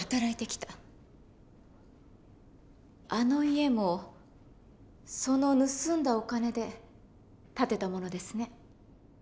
あの家もその盗んだお金で建てたものですね？